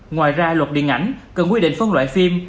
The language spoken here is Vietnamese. ngoài ra luật điện ảnh cần quy định phân loại phim